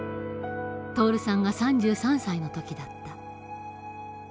徹さんが３３歳の時だった。